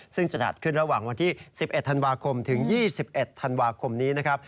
ซึ่งจะจัดขึ้นระหว่างวันที่๑๑ธันวาคมถึง๒๑ธันวาคมนี้นะครับ